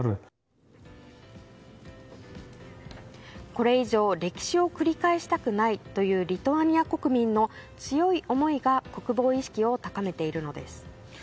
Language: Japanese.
これ以上歴史を繰り返したくないというリトアニア国民の強い思いが国防意識を高めているのです。